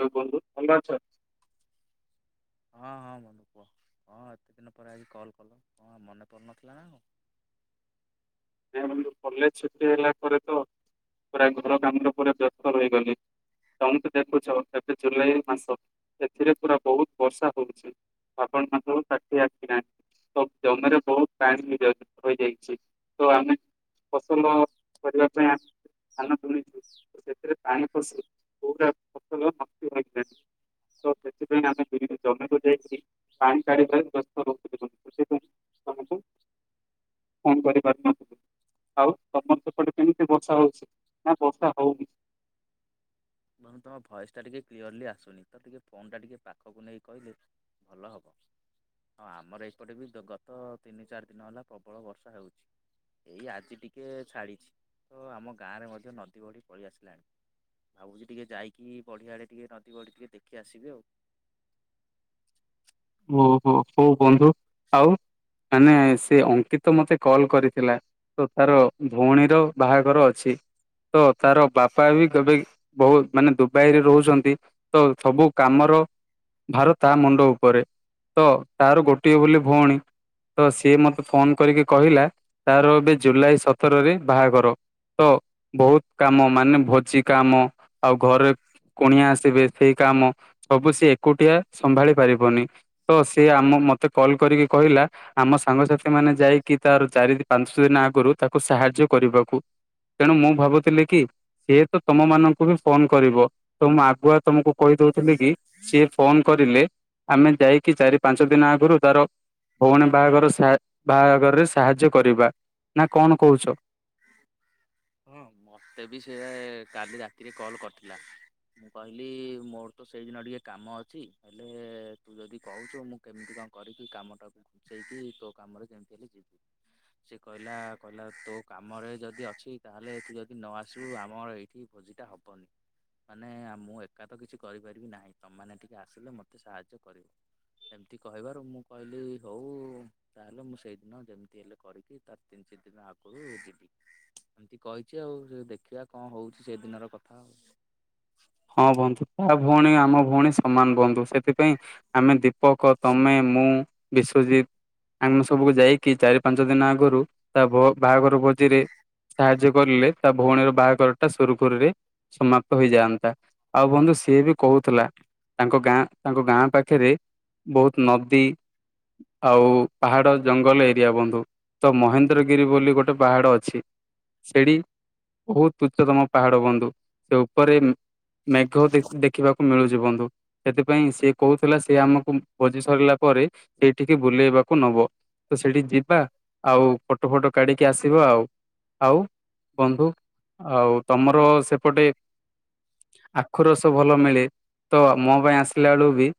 ହଉ କୁହନ୍ତୁ ଭଲ ଅଛ? ହଁ ହଁ ବନ୍ଧୁ କୁଅ ହଁ ଏତେ ଦିନ ପରେ ଆଜି କଲ୍ କଲ କଣ ମନେ ପାଡୁନଥିଲା ନା କଣ। ନାଇଁ ବନ୍ଧୁ କଲେଜ ଛୁଟି ହେଲା ପରେ ତ ପୁରା ଘର କାମରେ ପୁରା ବ୍ୟସ୍ତ ରହିଗଲି। ତମେ ତ ଦେଖୁଛ ଏବେ ଜୁଲାଇ ମାସ ଏଥିରେ ପୁରା ବହୁତ ବର୍ଷା ହଉଛି। ଆପଣ ମାନଙ୍କଙ୍କୁୁ ଷାଠିଏ ଆଠିଲାଣି ସବୁ ଜମିରେ ବହୁତ ପାଣି ହେଇ ଯାଇଛି ହୋଇ ଯାଇଛି। ତ ଆମେ ଫସଲ କରିବା ପାଇଁ ଆ ଧାନ ବୁଣିଛୁ ସେଥିରେ ପାଣି ପସି ପୁରା ଫସଲନଷ୍ଟ ଲାଗିଲାଣି। ତ ସେଥିପାଇଁ ଆମେ ଜମିକୁ ଯାଇକି ପାଣି କାଢିବାରେ ବ୍ୟସ୍ତ ରହୁଛୁ। [inaudible] ଆଉ ତମର ସେପଟେ କେମିତି ବର୍ଷା ହଉଛି ନା ବର୍ଷା ହଉନି। ବନ୍ଧୁ ତମ ଭଏସ ଟା ଟିକେ କ୍ଲିୟରଲି ଆସୁନି ତ ଟିକେ ଫୋନ ଟା ଟିକେଏ ପାଖକୁ ନେଇ କହିଲେ। ଭଲ ହବ। ହଁ ଆମର ଏପଟେ ବି ଗତ ତିନି ଚାରି ଦିନ ହେଲା ପ୍ରବଳ ବର୍ଷା ହେଉଛି। ଏଇ ଆଜି ଟିକେ ଛାଡ଼ିଛି ତ ଆମ ଗାଁରେ ମଧ୍ୟ ନଦୀ ବଢ଼ି ପଳଳେଇ ଆସିଲାଣି। ଭାବୁଛି ଟିକେ ଯାଇକି ବଢିଆଡେ ଟିକେ ନଦୀ ବଢି ଟିକେ ଦେଖି ଆସିବେ ଆଉ। ଓହୋ ହଉ ବନ୍ଧୁ ଆଉ ମାନେ ସେ ଅଙ୍କିତ ମତେ କଲ କରିଥିଲା। ତ ତାର ଭଉଣୀର ବାହାଘର ଅଛି ତ ତାର ବାପା ବି କେବେ ବହୁତ ମାନେ ଦୁବାଇରେ ରହୁଛନ୍ତି ତ ସବୁ କାମର ଭାର ତା ମୁଣ୍ଡ ଉପରେ। ତ ତାର ଗୋଟିଏ ବୋଲି ଭଉଣୀ। ତ ସିଏ ମତେ ଫୋନ କରିକି କହିଲା ତାର ଏବେ ଜୁଲାଇ ସତରରେ ବାହାଘର। ତ ବହୁତ କାମ ମାନେ ଭୋଜି କାମ ଆଉ ଘରେ କୁଣିଆ ଆସିବେ ସେଇ କାମ ସବୁ ସି ଏକୁଟିଆ ସମ୍ଭାଳି ପାରିବନି। ତ ସିଏ ଆମ ମତେ କଲ୍ କରିକି କହିଲା। ଆମ ସାଙ୍ଗସାଥି ମାନେ ଯାଇକି ତାର ଚାରି ପାଞ୍ଚ ଦିନ ଆଗରୁ ତାକୁ ସାହାଯ୍ୟ କରିବାକୁ। ତେଣୁ ମୁଁ ଭାବୁଥିଲି କି ସିଏ ତ ତମ ମାନଙ୍କୁ ବି ଫୋନ କରିବ ତ ମୁ ଆଗୁଆ ତମକୁ କହି ଦଉଥିଲେ କି ସି ଫୋନ କରିଲେ ଆମେ ଯାଇ କି ଚାରି ପାଞ୍ଚ ଦିନ ଆଗରୁ ତାର ଭଉଣୀ ବାହାଘର ବାହାଘରରେ ସାହାଯ୍ୟ କରିବା ନା କଣ କହୁଛ? ହଁ ମୋତେ ବି ସେ କାଲି ରାତିରେ କଲ୍ କରିଥିଲା। ମୁଁ କହିଲି ମୋର ତ ସେଇଦିନ ଟିକେ କାମ ଅଛି। ହେଲେ ତୁ ଯଦି କହୁଛୁ ମୁଁ କେମିତି କଣ କରିବି କାମଟାକୁ ସେଇଠି ତୋ କାମରେ ଯେମିତି ହେଲେ ଯିବୁ। ସେି କହିଲା କହିଲା ତୋ କାମରେ ଯଦି ଅଛି। ତାହେଲେ ତୁ ଯଦି ନ ଆସିବୁ ଆମର ଏଇଠି ଭୋଜିଟା ହବନି। ମାନେ ମୁଁ ଏକା ତ କିଛି କରିପାରିବି ନାହିଁ ତମମାନେ ଟିକେ ଆସିଲେ ମତେ ସାହାଯ୍ୟ କରିବ। ଏମତି କହିବାରୁ ମୁଁ କହିଲି ହଉ ଉ ତାହେଲେ ମୁଁ ସେଇଦିନ ଯେମିତି ହେଲେ କରିକି ତାର ତିନି ଚାରି ଦିନ ଆଗରୁ ଯିବି। ଏମିତି କହିଛି ଆଉ ସେ ଦେଖିବା କଣ ହଉଛି ସେ ଦିନର କଥା ଆଉ। ହଁ ବନ୍ଧୁ ତା ଭଉଣୀ ଆମ ଭଉଣୀ ସମାନ ବନ୍ଧୁ ସେଥିପାଇଁ ଆମେ ଦୀପକ ତମେ ମୁଁ ବିଶ୍ଵଜିତ। ଆମେ ସବୁକୁ ଯାଇକି ଚାରି ପାଞ୍ଚ ଦିନ ଆଗରୁ ତା ବାହାଘର ଭୋଜିରେ ସାହାଯ୍ୟ କରିଲେ ତା ଭଉଣୀର ବାହାଘର ଟା ସୁରୁଖୁରୁରେ ସମାପ୍ତ ହେଇଯାଆନ୍ତା। ଆଉ ବନ୍ଧୁ ସିଏ ବି କହୁଥିଲା ତାଙ୍କ ଗାଁ ତାଙ୍କ ଗାଁ ପାଖେରେ। ବହୁତ ନଦୀ ଆଉ ପାହାଡ ଜଙ୍ଗଲ ଏରିଆ ବନ୍ଧୁ। ତ ମହେନ୍ଦ୍ରଗିରି ବୋଲି ଗୋଟେ ପାହାଡ ଅଛି। ସେଠି ବହୁତ ଉଚ୍ଚତମ ପାହାଡ ବନ୍ଧୁ ସେ ଉପରେ। ମେଘ ଦେଖିବାକୁ ମିଳୁଛି ବନ୍ଧୁ। ସେଥିପାଇଁ ସିଏ କହୁଥିଲା ସେ ଆମକୁ ଭୋଜି ସରିଲା ପରେ ସେଇଠିକି ବୁଲେଇବାକୁ ନବ। ତ ସେଠି ଯିବା ଆଉ ଫଟୋ ଫଟ କାଢିକି ଆସିବା ଆଉ। ଆଉ ବନ୍ଧୁ, ଆଉ ତମର ସେପଟେ ଆଖୁ ରସ ଭଲ ମିଳେ, ତ ମୋ ପାଇଁ ଆସିଲା ବେଳୁ ବି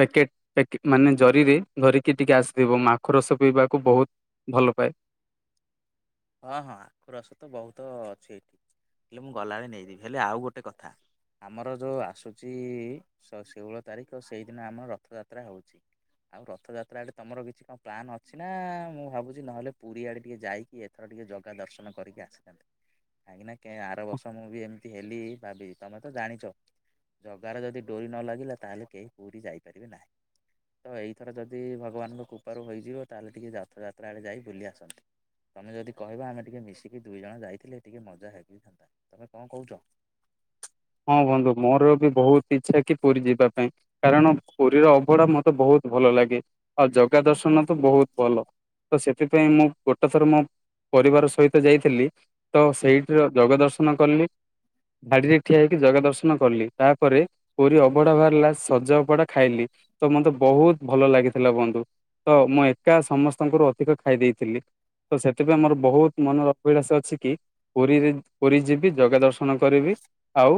ପକେଟ ପ୍ୟାକେ ମାନେ ଜରିରେ ଧରିକି ଟିକେ ଆସିଥିବ, ମୁଁ ଆଖୁ ରସ ପିଇବାକୁ ବହୁତ ଭଲ ପାଏ। ହଁ ହଁ ଆଖୁ ରସ ତ ବହୁତ ଅଛି ଏଇଠି, ହେଲେ ମୁଁ ଗଲାବେଳେ ନେଇଯିବି, ହେଲେ ଆଉ ଗୋଟେ କଥା। ଆମର ଯେଉଁ ଆସୁଛି ଶୋ-ଷୋହଳ ତାରିଖ ସେଇଦିନ ଆମର ରଥଯାତ୍ରା ହେଉଛି। ଆଉ ରଥଯାତ୍ରା ଆଡେ ତମର କିଛି କଣ ପ୍ଲାନ୍ ଅଛି ନା ମୁଁ ଭାବୁଛି ନହେଲେ ପୁରୀ ଆଡେ ଟିକେ ଯାଇ କି ଏଥର ଟିକେ ଜଗା ଦର୍ଶନ କରିକି ଆସିଥାନ୍ତେ। କାହିଁକି ନା ଆର ବର୍ଷ ମୁଁ ବି ଏମିତି ହେଲି ଭାବି ତମେ ତ ଜାଣିଛ। ଜଗାର ଯଦି ଡୋରି ନ ଲାଗିଲା ତାହେଲେ କେହି ପୁରୀ ଯାଇପାରିବେ ନାହିଁ। ତ ଏଇ ଥର ଯଦି ଭଗବାନଙ୍କ କୃପା ରୁ ହୋଇ ଯିବ ତାହେଲେ ଟିକେ ରଥଯାତ୍ରା ଆଡେ ଯାଇ ବୁଲିଆସନ୍ତି। ତମେ ଯଦି କହିବ ଆମେ ଟିକେ ମିଶିକି ଦୁଇ ଜଣ ଯାଇଥିଲେ ଟିକେ ମଜା ହୋଇଥାନ୍ତା, ତମେ କଣ କହୁଛ? ହଁ ବନ୍ଧୁ ମୋର ବି ବହୁତ ଇଚ୍ଛା କି ପୁରୀ ଯିବା ପାଇଁ। କାରଣ ପୁରୀର ଅବଢ଼ା ମତେ ବହୁତ ଭଲ ଲାଗେ, ଆଉ ଜଗା ଦର୍ଶନ ତ ବହୁତ ଭଲ। ତ ସେଥିପାଇଁ ମୁଁ ଗୋଟେ ଥର ମୋ ପରିବାର ସହିତ ଯାଇଥିଲି ତ ସେଇଠିର ଜଗା ଦର୍ଶନ କଲି ଧାଡିରେ ଉଠିଆ ହେଇକି ଜଗା ଦର୍ଶନ କଲି ତାପରେ ପୁରୀ ଅବଢା ବାହାରିଲା ସଜ ଅବଢ଼ା ଖାଇଲି। ତ ମତେ ବହୁତ ଭଲ ଲାଗିଥିଲା ବନ୍ଧୁ। ତ ମୁଁ ଏକା ସମସ୍ତଙ୍କରୁ ଅଧିକ ଖାଇ ଦେଇଥିଲି। ତ ସେଥିପାଇଁ ଆମର ବହୁତ ମନର ଅଭିଳାଷ ଅଛି କି ପୁରୀରେ ପୁରୀ ଯିବି ଜଗା ଦର୍ଶନ କରିବି ଆଉ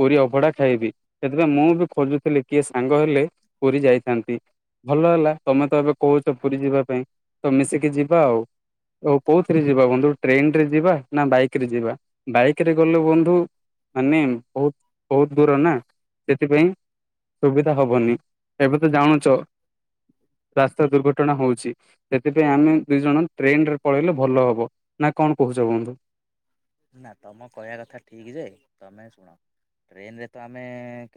ପୁରୀ ଅଭଢା ଖାଇବି ସେଥିପାଇଁ ମୁଁ ବି ଖୋଜୁଥିଲି କିଏ ସାଙ୍ଗ ହେଲେ ପୁରୀ ଯାଇଥାନ୍ତି। ଭଲ ହେଲା ତମେ ତ ଏବେ କହୁଛ ପୁରୀ ଯିବା ପାଇଁ ତ ମିଶିକି ଯିବା ଆଉ। ଓ କୋଉଥିରେ ଯିବା ବନ୍ଧୁ ଟ୍ରେନ ରେ ଯିବା ନା ବାଇକ ରେ ଯିବା, ବାଇକ ରେ ଗଲେ ବନ୍ଧୁ ମାନେ ବହୁତ ବହୁତ ଦୂର ନା ସେଥିପାଇଁ ସୁବିଧା ହବନି ଏବେ ତ ଜାଣୁଛ, ରାସ୍ତା ଦୁର୍ଘଟଣା ହଉଛି। ସେଥିପାଇଁ ଆମେ ଦୁଇ ଜଣ ଟ୍ରେନ ରେ ପଳେଇଲେ ଭଲ ହବ ନା କଣ କହୁଛ ବନ୍ଧୁ? ନା ତମ କହିବା କଥା ଠିକ୍ ଯେ ତମେ ଶୁଣ। ଟ୍ରେନରେ ତ ଆମେ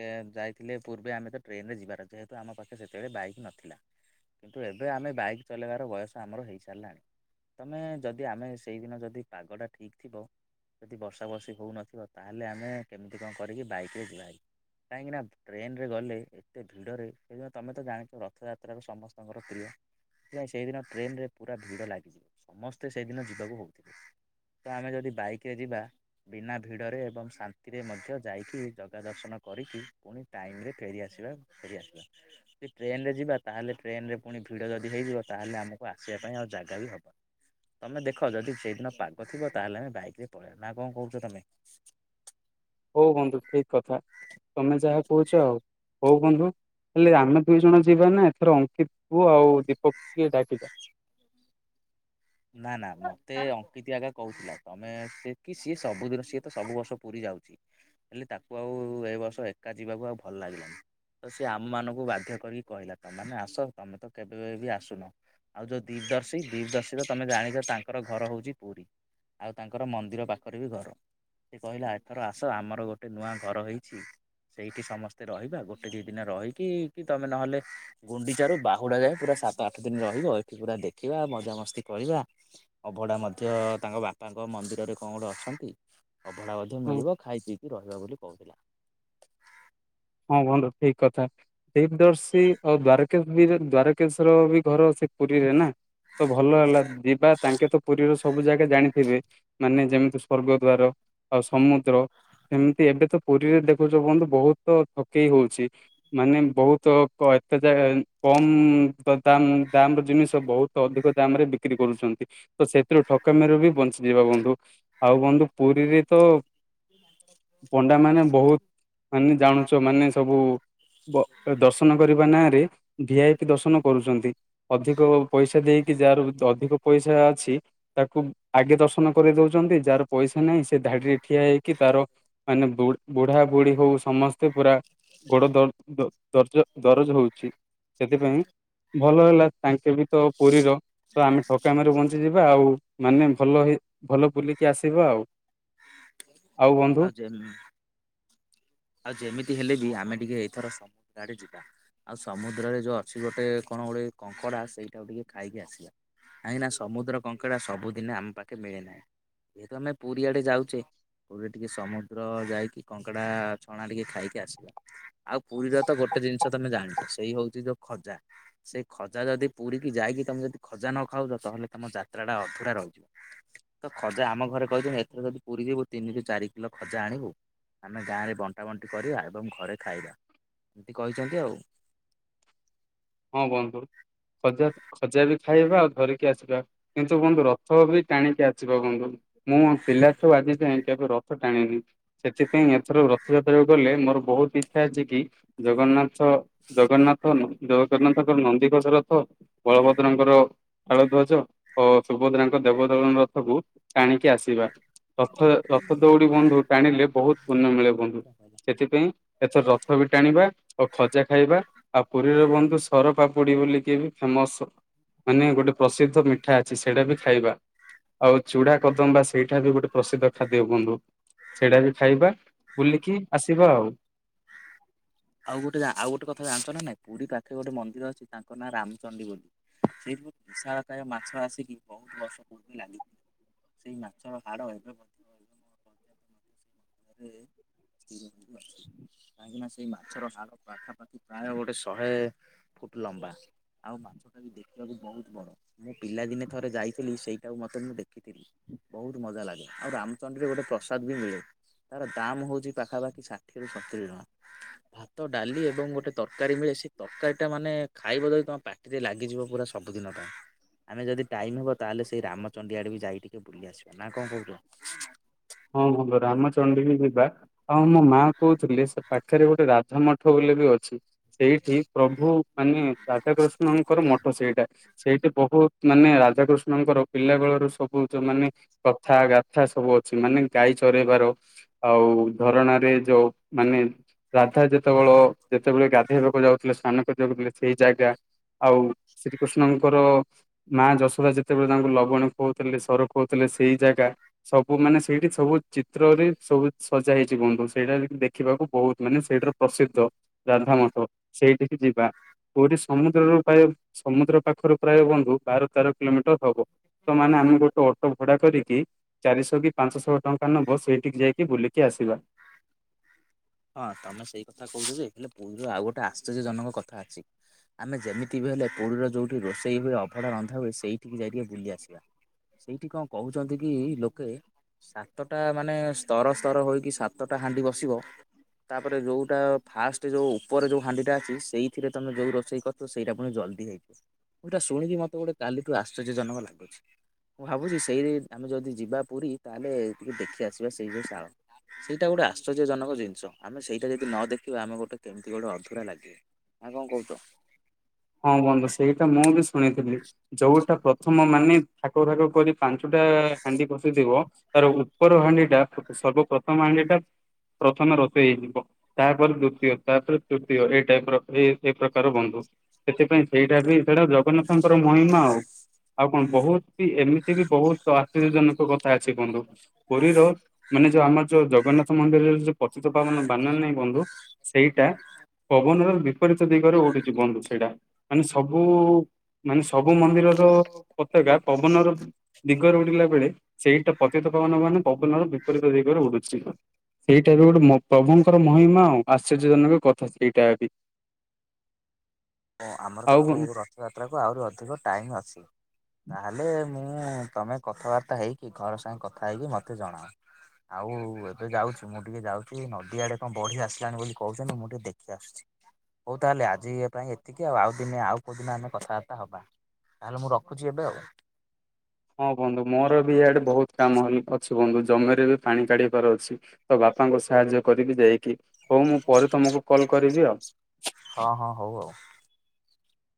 ଯାଇଥିଲେ ପୂର୍ବେ ଆମେ ତ ଟ୍ରେନରେ ଯିବାର ଯେହେତୁ ଆମ ପାଖେ ସେତେବେଳେ ବାଇକ୍ ନଥି ଥିଲା କିନ୍ତୁ ଏବେ ଆମେ ବାଇକ୍ ଚଲେଇବାର ବୟସ ଆମର ହେଇସାରିଲାଣି। ତମେ ଯଦି ଆମେ ସେଇଦିନ ଯଦି ପାଗଟା ଠିକ୍ ଥିବ ଯଦି ବର୍ଷା ବର୍ଷି ହୋଉନଥିବା ତାହେଲେ ଆମେ କେମିତି କଣ କରିକି ବାଇକି ରେ ଯିବ ଭାରି। କାହିଁକି ନା ଟ୍ରେନରେ ଗଲେ ଏତେ ଭିଡ଼ରେ ସେ ତମେ ତ ଜାଣିଥିବ ରଥଯାତ୍ରାକୁ ସମସ୍ତଙ୍କର ପ୍ରିୟ। ହେ ସେଇଦିନ ଟ୍ରେନରେ ପୁରା ଭିଡ ଲାଗିଯିବ, ସମସ୍ତେ ସେଦିନ ଯିବାକୁ ହଉଥିବେ। ତ ଆମେ ଯଦି ବାଇକରେ ଯିବା ବିନା ଭିଡ଼ରେ ଏବଂ ଶାନ୍ତିରେ ମଧ୍ୟ ଯାଇକି ଜଗା ଦର୍ଶନ କରିକି ପୁଣି ଟାଇମରେ ଫେରିଆସିବା ଫେରିଆସିବା। ଯଦି ଟ୍ରେନରେ ଯିବା ତାହେଲେ ଟ୍ରେନରେ ପୁଣି ଭିଡ଼ ଯଦି ହେଇଯିବ ତାହେଲେ ଆମକୁ ଆସିବା ପାଇଁ ଆଉ ଜାଗା ବି ହବନି। ତମେ ଦେଖ ଯଦି ସେଇଦିନ ପାଗ ଥିବ ତାହେଲେ ଆମେ ବାଇକ ରେ ପଳେଇବା ନା କଣ କହୁଛ ତମେ। ହଉ ବନ୍ଧୁ ଠିକ କଥା ତମେ ଯାହା କହୁଛ ଆଉ, ହଉ ବନ୍ଧୁ। ହେଲେ ଆମେ ଦୁଇ ଜଣ ଯିବାନା ଏଥର ଅଙ୍କିତ କୁ ଆଉ ଦୀପକକୁ ଡାକିବା? ନା ନା ମତେ ଅଙ୍କିତ ଆଗେ କହୁଥିଲା ତମେ ସେ କି ସିଏ ସବୁଦିନ ସିଏ ତ ସବୁ ବର୍ଷ ପୁରୀ ଯାଉଛି। ହେଲେ ତାକୁ ଆଉ ଏ ବର୍ଷ ଏକା ଯିବାକୁ ଆଉ ଭଲ ଲାଗିଲାନି। ତ ସିଏ ଆମ ମାନଙ୍କୁ ବାଧ୍ୟ କରିକି କହିଲା ତମେ ମାନେ ଆସ ତମେ ତ କେବେ ବି ଆସୁନ। ଆଉ ଯଉ ଦି୍ଦଶୀ ଦିପଦଶୀ ତମେ ଜାଣିଛ ତାଙ୍କର ଘର ହଉଛି ପୁରୀ, ଆଉ ତାଙ୍କର ମନ୍ଦିର ପାଖରେ ବି ଘର। ସେ କହିଲା ଏଥର ଆସ ଆମର ଗୋଟେ ନୂଆ ଘର ହେଇଛି। ସେଇଠି ସମସ୍ତେ ରହିବା ଗୋଟେ ଦି ଦିନ ରହିକି କି ତମେ ନହେଲେ ଗୁଣ୍ଡିଚାରୁ ବାହୁଡା ଯାଏ ପୁରା ସା ଆଠ ଦିନ ରହିବା ଏଠି ପୁରା ଦେଖିବା ମଜାମସ୍ତି କ, ଅଭଡା ମଧ୍ୟ ତାଙ୍କ ବାପାଙ୍କ ମନ୍ଦିରରେ କଣ ଗୋଟେ ଅଛନ୍ତି। ଅଭଡା ମଧ୍ୟ ମିଳିବ ଖାଇ ପିଇକି ରହିବା ବୋଲି କହୁଥିଲେ। ହଁ ବନ୍ଧୁ ଠିକ କଥା। ଦେପଦର୍ଶୀ ଆଉ ଦ୍ଵାରକେଶ ବି ଦ୍ଵାରକେଶ ର ବି ଘର ସେ ପୁରୀରେ ନା? ତ ଭଲ ହେଲା ଯିବା ତାଙ୍କେ ତ ପୁରୀର ସବୁ ଜାଗା ଜାଣିଥିବେ, ମାନେ ଯେମିତି ସୂର୍ଗଦ୍ୱାରା ଆଉ ସମୁଦ୍ର ଯେମିତି ଏବେ ତ ପୁରୀରେ ଦେଖୁଛ ବନ୍ଧୁ ବହୁତ ତ ଠକେଇ ହଉଛି। ମାନେ ବହୁତ କ ଏତେ ଜାଗା କମ ଦାମ ଦାମ ର ଜିନିଷ ବହୁତ ଅଧିକ ଦାମ ରେ ବିକ୍ରି କରୁଛନ୍ତି। ତ ସେଥିରୁ ଠକାମିରୁ ବି ବଞ୍ଚିଯିବା ବନ୍ଧୁ, ଆଉ ବନ୍ଧୁ ପୁରୀରେ ତ ପଣ୍ଡା ମାନେ ବହୁତ ମାନେ ଜାଣୁଛ ମାନେ ସବୁ ବ ଦର୍ଶନ କରିବା ନାଁରେ ଭି ଆଇ ପି ଦର୍ଶନ କରୁଛନ୍ତି। ଅଧିକ ପଇସା ଦେଇକି ଯାହାର ଅଧିକ ପଇସା ଅଛି ତାକୁ ଆଗେ ଦର୍ଶନ କରି ଦଉଛନ୍ତି ଯାହାର ପଇସା ନାହିଁ ସେ ଧାଡିରେ ଠିଆ ହେଇକି ତାର ମାନେ ବୁ-ବୁଢା ବୁଢୀ ହଉ ସମସ୍ତ ସ୍ତେ ପୁରା ଗୋଡ ଦ-ଦ-ଦର୍ଜ-ଦରଜ ହଉଛି ସେଥିପାଇଁ ଭଲ ହେଲା ତାଙ୍କେ ବି ତ ପୁରୀର ତ ଆମେ ଠକାମୀ ରୁ ବଞ୍ଚ ଯିବା ଆଉ ମାନେ ଭଲ ହେଇ ଭଲ ବୁଲିକି ଆସିବା ଆଉ। ଆଉ ଜେମ୍ ଆଉ ଯେମିତି ହେଲେ ବି ଆମେ ଟିକେ ଏଇଥର ସମୁଦ୍ର ଆଡେ ଯିବା। ଆଉ ସମୁଦ୍ରରେ ଯୋଉ ଅଛି ଗୋଟେ କଣ ଗୋଟେ କଙ୍କଡ଼ା ସେଇଟାକୁ ଟିକେ ଖାଇକି ଆସିବା। କାହିଁକିନା ସମୁଦ୍ର କଙ୍କଡ଼ା ସବୁଦିନେ ଆମ ପାଖେ ମିଳେନାହିଁ। ଯେହେତୁ ଆମେ ପୁରୀ ଆଡେ ଯାଉଛେ ପୁରୀରେ ଟିକେ ସମୁଦ୍ର ଯାଇକି କଙ୍କଡା ଛଣା ଟିକେ ଖାଇକି ଆସିବା, ଆଉ ପୁରୀର ତ ଗୋଟେ ଜିନିଷ ତମେ ଜାଣିଛ ସେଇ ହଉଛି ଯୋଉ ଖଜା। ସେ ଖଜା ଯଦି ପୁରୀକି ଯାଇକି ତମେ ଯଦି ଖଜା ନ ଖାଉଛ ତାହେଲେ ତମ ଯାତ୍ରାଟା ଅଧୁରା ରହିଯିବ। ତ ଖଜା ଆମ ଘରେ କହିଛନ୍ତି ଏଥିରେ ଯଦି ପୁରୀ ଯିବୁ ତିନିରୁ ଚାରି କିଲୋ ଖଜା ଆଣିବୁ। ଆମେ ଗାଁରେ ବଣ୍ଟା ବଣ୍ଟି କରିବା ଏବଂ ଘରେ ଖାଇବା, ଏମିତି କହିଛନ୍ତି ଆଉ। ହଁ ବନ୍ଧୁ ଖଜା ଖଜା ବି ଖାଇବା ଆଉ ଧରିକି ଆସିବା। କିନ୍ତୁ ବନ୍ଧୁ ରଥ ବି ଟାଣିକି ଆସିବା ବନ୍ଧୁ, ମୁଁ ପିଲା ଠୁ ଆଜି ଯାଏ କେବେ ରଥ ଟାଣିନି ସେଥିପାଇଁ ଏଥର ରଥଯାତ୍ରାକୁ ଗଲେ ମୋର ବହୁତ ଇଚ୍ଛା ଅଛି କି ଜଗନ୍ନାଥ ଜଗନ୍ନାଥ ନୁ ଜ ଜଗନ୍ନାଥଙ୍କର ନନ୍ଦୀଘୋଷ ରଥ, ବଳଭଦ୍ରଙ୍କର ତାଳଧ୍ୱଜ ଓ ସୁଭଦ୍ରାଙ୍କ ଦେବଦଳନ ରଥକୁ ଟାଣିକି ଆସି ସିବା ରଥ ରଥ ଦୌଡି ବନ୍ଧୁ ଟାଣିଲେ ବହୁତ ପୁଣ୍ୟ ମିଳେ ବନ୍ଧୁ। ସେଥିପାଇଁ ଏଥର ରଥ ବି ଟାଣିବା ଓ ଖଜା ଖାଇବା ଆଉ ପୁରୀର ବନ୍ଧୁ ସରପାପୁଡି ବୋଲିକି ବି ଫେମସ ମାନେ ଗୋଟେ ପ୍ରସିଦ୍ଧ ମିଠା ଅଛି ସେଇଟା ବି ଖାଇବା। ଆଉ ଚୁଡା କଦମ୍ବା ସେଇଟା ବି ଗୋଟେ ପ୍ରସିଦ୍ଧ ଖାଦ୍ୟ ବନ୍ଧୁ। ସେଟା ବି ଖାଇବା, ବୁଲିକି ଆସିବା ଆଉ। ଆଉ ଗୋଟେ ଆଉ ଗୋଟେ କଥା ଜାଣିଛ ନା ନା, ପୁରୀ ପାଖରେ ଗୋଟେ ମନ୍ଦିର ଅଛି ତାଙ୍କ ନାଁ ରାମଚଣ୍ଡୀ ବୋଲି। ସେଠୀ ଗୋଟେ ବିଶାଳକାୟ ମାଛ ଆସିକି ବହୁତ ବର୍ଷ ପୂର୍ବ ଲାଗିଥି ସେଇ ମାଛର ହାଡ ଏବେ ମଧ୍ୟ ସେଇ ମନ୍ଦିରରେ ଶ୍ରୀ [inaudible] ବି ଅଛି, କାହିଁକି ନା ସ୍ ସେଇ ମାଛର ହାଡ ପାଖାପାଖି ପ୍ରାୟ ଗୋଟେ ଶହେ ଫୁଟ ଲମ୍ବା। ଆଉ ମାଛଟା ବି ଦେଖିବାକୁ ବହୁତ ବଡ। ମୁଁ ପିଲାଦିନେ ଥରେ ଯାଇଥିଲି ସେଇଟାକୁ ମତେ ମୁଁ ଦେଖିଥିଲି। ବହୁତ ମଜା ଲାଗେ, ଆଉ ରାମଚଣ୍ଡୀରେ ଗୋଟେ ପ୍ରସାଦ ବି ମିଳେ। ତାର ଦାମ ହଉଛି ପାଖାପାଖି ଷାଠିଏ ରୁ ସତୁରି ଟଙ୍କା। ଭାତ, ଡାଲି ଏବଂ ଗୋଟେ ତରକାରୀ ମିଳେ ସେ ତରକାରୀ ଟା ମାନେ ଖାଇବ ଯଦି ତମ ପାଟ ତିରେ ଲାଗିଯିବ ପୁରା ସବୁଦିନ ପାଇଁ ଆମେ ଯଦି ଟାଇମ ହବ ତାହେଲେ ସେଇ ରାମଚଣ୍ଡି ଆଡେ ବି ଯାଇ ଟିକେ ବୁଲି ଆସିବା ନା କଣ କହୁଚ? ହଁ ବନ୍ଧୁ ରାମଚଣ୍ଡୀ ବି ଯିବା ଆଉ ମୋ ମା କହୁଥିଲେ ସେ ପାଖରେ ଗୋଟେ ରାଧା ମଠ ଠ ବୋଲି ବି ଅଛି। ସେଇଠି ପ୍ରଭୁ ମାନେ ରାଧାକୃଷ୍ଣଙ୍କର ମଠ ସେଇଟା ସେଇଠି ବହୁତ ମାନେ ରାଧାକୃଷ୍ଣଙ୍କର ପିଲା ବେଳରୁ ସବୁ ଯ ମାନେ କଥା ଗାଥା ସବୁ ଅ ଛି ମାନେ ଗାଈ ଚରେଇବାର ଆଉ ଧରଣ ରେ ଯୋଉ ମାନେ ରାଧା ଯେତେବେଳ ଯେତେବେଳେ ଗାଧେଇବାକୁ ଯାଉଥିଲେ ସ୍ନାନ କରିବାକୁ ଯାଉଥିଲେ ସେଇ ଜାଗା ଆଉ ସେଠି ଶ୍ରୀକୃଷ୍ଣଙ୍କର ମା ଯଶୋଦା ଯେତେବେଳେ ତାଙ୍କୁ ଲବଣୀ ଖୋଉଥିଲେ ସର ଖୋହୁଥିଲେ ସେଇ ଜାଗା କୋ ମାନେ ସେଇଠି ସବୁ ଚିତ୍ରରେ ସବୁ ସଜା ହେଇଛି ବନ୍ଧୁ ସେଇଟା ଟିକ ଦେଖିବାକୁ ବହୁତ ମାନେ ସେଇଠାର ପ୍ରସିଦ୍ଧ ରାଧାମଠ ସେଇଠିକି ଯିବା ପୁରୀ ସମୁଦ୍ରରୁ ପ୍ରାୟ ସମୁଦ୍ର ପାଖରୁ ପ୍ରାୟ ବନ୍ଧୁ ବାର ତେର କିଲୋମିଟର ହବ। ତ ମାନେ ଆମେ ଗୋଟେ ଅଟୋ ଭଡା କରିକି ଚାରିଶହ କି ପାଞ୍ଚଶହ ଟଙ୍କା ନବ ଏଇଠିକି ଯାଇକି ବୁଲିକି ଆସିବା। ହଁ ତମେ ସେଇ କଥା କହୁଚ ଯେ ହେଲେ ପୁରୀରୁ ଆଉ ଗୋଟେ ଆଶ୍ଚର୍ଯ୍ୟ ଜନକ କଥା ଅଛି ଆମେ ଯେମିତି ବି ହେଲେ ପୁରୀରେ ଯଉଠି ରୋଷେଇ ହୁଏ ଅଭଡ଼ା ରନ୍ଧା ହୁଏ ସେଇଠିକି ଯାଇକି ଟିକେ ବୁଲି ଆସିବା। ସେଇଠି କଣ କହୁଚନ୍ତି କି ଲୋକେ ସାତଟା ମାନେ ସ୍ତର ସ୍ତର ହୋଇକି ସା ତ ଟା ହାଣ୍ଡି ବସିବ ତାପରେ ଯୋଉଟା ଫାଷ୍ଟ ଯୋଉ ଉପର ଯୋଉ ହାଣ୍ଡି ଟା ଅଛି ସେଇଥିରେ ତମେ ଯୋଉ ରୋଷେଇ କରି ତ ସେଇଟା ପୁଣି ଜଲଦି ହେଇଯିବ ମୁଁ ଏଇଟା ଶୁଣିକି ମତେ ଗୋଟେ କାଲି ଠୁ ଆଶ୍ଚର୍ଯ୍ୟଜନକ ଲାଗୁଛି। ମୁଁ ଭାବୁଛି ସେଇ ଆମେ ଯଦି ଯିବା ପୁରୀ ତାହେଲେ ଟିକେ ଦେଖି ଆସିବା ସେଇ ଯୋଉ ଶଳ ସେଇଟା ଗୋଟେ ଆଶ୍ଚର୍ଯ୍ୟ ଜନକ ଜିନିଷ ଆମେ ସେଇଟା ଯଦି ନ ଦେଖିବା ଆମେ ଗୋଟେ କେମିତି ଗୋଟେ ଅଧୁରା ଲାଗେ ନା କଣ କହୁଚ? ହଁ ବନ୍ଧୁ ସେଇଟା ମୁଁ ବି ଶୁଣିଥିଲି ଯୋଉଟା ପ୍ର ଥମ ମାନେ ଭାଗ ଭାଗ କରି ପାଞ୍ଚୁଟା ହାଣ୍ଡି ବସିଥିବ ତାର ଉପର ହାଣ୍ଡିଟା ସର୍ବପ୍ରଥମ ହାଣ୍ଡିଟା ପ୍ରଥମେ ରୋତେଇ ହେଇଯିବ। ତାପରେ ଦ୍ଵିତୀୟ ତାପରେ ତୃତୀୟ ଏଇ ଟାଇପ ର ଏ ଏ ପ୍ରକାର ବନ୍ଧୁ ସେଥିପାଇଁ ସେଇଟା ବି ସେଇଟା ଜଗନ୍ନାଥଙ୍କର ମହିମା ଆଉ ଆଉ କଣ ବହୁତ ବି ଏମିତି ଏଠିବି ବହୁତ ଆଶର୍ଯ୍ୟଜନକ କଥା ଅଛି ବନ୍ଧୁ। ପୁରୀର ମାନେ ଯୋଉ ଆମର ଯୋଉ ଜଗନ୍ନାଥ ମନ୍ଦିରରେ ଯୋଉ ପତିତପାବନ ବାନା ନାହିଁ ବନ୍ଧୁ ସେଇଟା ପବନର ବିପରୀତ ଦିଗରେ ଉଡି ଜୀବନରୁ ସେଇଟା ମାନେ ସବୁ ମାନେ ସବୁ ମନ୍ଦିରର ପତାକା ପବନର ଦିଗରେ ଉଡିଲା ବେଳେ ସେଇଟା ପତିତପାବନ ବନା ପବନର ବିପରୀତ ଦିଗରେ ଉଡୁଚି। ସେଇଟା ବି ଗୋଟେ ମ ପ୍ରଭୁଙ୍କର ମହିମା ଆଉ ଆଶ୍ଚର୍ଯ୍ୟଜନକ କଥା ସେଇଟା ବି ତ ଆମର ତ ଆଉ ପୁ ବନ୍ ରଥଯାତ୍ରାକୁ ଆହୁରି ଅଧିକ ଟାଇମ୍ ଅଛି ତାହେଲେ ମୁଁ ତମେ କଥାବାର୍ତ୍ତା ହେଇକି ଘର ସାଙ୍ଗେ କଥା ହେଇକି ମତେ ଜଣାଅ। ଆଉ ଏବେ ଯାଉଚି ମୁଁ ଟିକେ ଯାଉଚି ନଦୀ ଆଡେ କଣ ବଢି ଆସିଲାଣି ବୋଲି କହୁଛନ୍ତି ମୁଁ ଟିକେ ଦେଖି ଆସୁଚି। ହଉ ତାହେଲେ ଆଜି ଇଏ ପାଇଁ ଏ ଟିକେ ଆଉ ଦିନେ ଆଉ କୋଉଁ ଦିନ ଆମେ କଥାବାର୍ତ୍ତା ହେବା ତାହେଲେ ମୁଁ ରଖୁଚି ଏବେ ଆଉ। ହଁ ବନ୍ଧୁ ମୋର ବି ଇଆଡେ ବହୁତ କାମ ବି ଅଛି ବନ୍ଧୁ ଜମିରେ ବି ପାଣି କାଢିିବାର ଅଛି ତ ବାପାଙ୍କୁ ସାହାଯ୍ୟ କରିବି ଯାଇକି ହଉ ମୁଁ ପରେ ତମକୁ କଲ କରିବି ଆଉ। ହଁ ହଁ ହଉ ଆଉ।